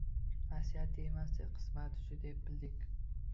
Vasiyati emasdi, qismati shu deb bildik